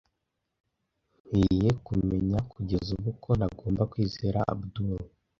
Nkwiye kumenya kugeza ubu ko ntagomba kwizera Abudul .